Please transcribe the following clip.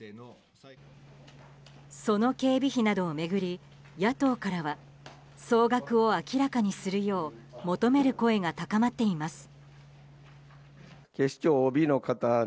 その警備費などを巡り野党からは総額を明らかにするよう求める声が高まっています。